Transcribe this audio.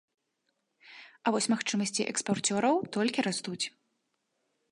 А вось магчымасці экспарцёраў толькі растуць.